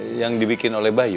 maksudnya yang dibikin oleh bayu